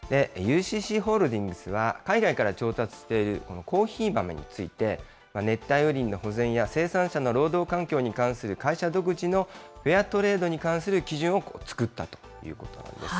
ＵＣＣホールディングスは、海外から調達しているこのコーヒー豆について、熱帯雨林の保全や、生産者の労働環境に関する会社独自のフェアトレードに関する基準を作ったということなんです。